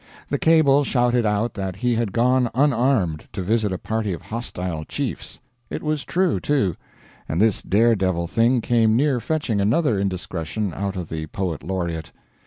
The cable shouted out that he had gone unarmed, to visit a party of hostile chiefs. It was true, too; and this dare devil thing came near fetching another indiscretion out of the poet laureate.